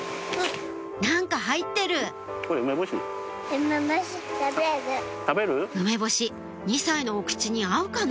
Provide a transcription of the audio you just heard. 何か入ってる梅干し２歳のお口に合うかな？